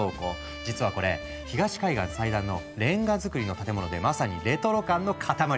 実はこれ東海岸最大のレンガ造りの建物でまさにレトロ感の塊だった。